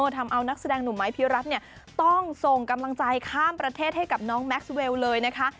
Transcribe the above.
ทำเอานักแสดงหนุ่มไม้พี่รัฐเนี่ยต้องส่งกำลังใจข้ามประเทศให้กับน้องแม็กซ์เวลเลยนะคะ